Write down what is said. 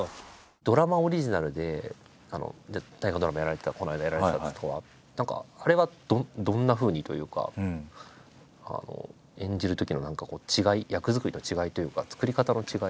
ドラマオリジナルで大河ドラマやられてたこの間やられてたときとかは何かあれはどんなふうにというか演じるときの何かこう違い役作りの違いというか作り方の違い。